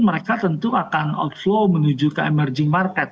mereka tentu akan outflow menuju ke emerging market